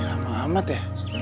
ini lama amat ya